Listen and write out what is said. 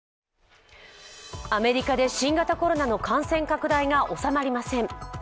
アメリカで新型コロナの感染拡大が収まりません。